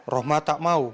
rohma tak mau